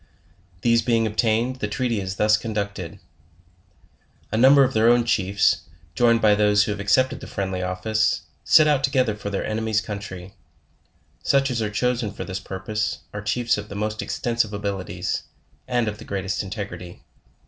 These being obtained, the treaty is thus conducted: A number of their own chiefs, joined by those who have accepted the friendly office, set out together for their enemies country; such as are chosen for this purpose, are chiefs of the most extensive abilities, and of the greatest integrity.